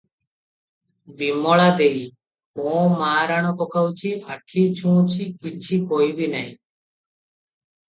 ବିମଳା ଦେଈ - ମୋ ମା ରାଣ ପକାଉଛି, ଆଖି ଛୁଉଁଛି, କିଛି କହିବି ନାହିଁ ।